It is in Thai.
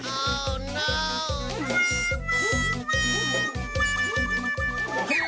อ้าวเน่า